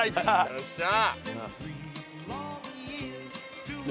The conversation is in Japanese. よっしゃー！